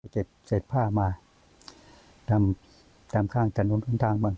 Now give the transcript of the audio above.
เก็บเสร็จผ้ามาทำข้างจันทนุนทางบ้าง